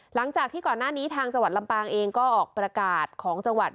หลังจากที่ก่อนหน้านี้ทางจังหวัดลำปางเองก็ออกประกาศของจังหวัด